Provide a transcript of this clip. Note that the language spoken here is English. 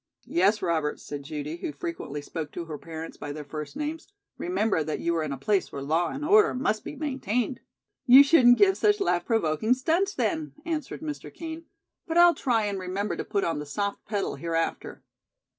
"Yes, Robert," said Judy, who frequently spoke to her parents by their first names, "remember that you are in a place where law and order must be maintained." "You shouldn't give such laugh provoking stunts, then," answered Mr. Kean, "but I'll try and remember to put on the soft pedal hereafter."